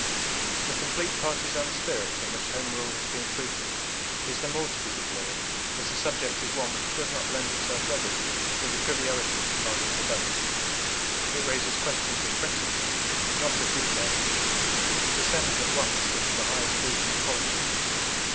The complete partisan spirit in which Home Rule has been treated is the more to be deplored as the subject is one which does not lend itself readily to the trivialities of party debates. It raises questions of principle, not of detail. It ascends at once into the highest region of politics.